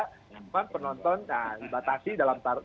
cuman penonton nah dibatasi dalam taruh